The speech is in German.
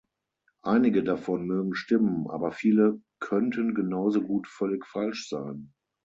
Einige davon mögen stimmen, aber viele könnten genauso gut völlig falsch sein.